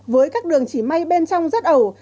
với các đường chỉ may bên trong rất ẩu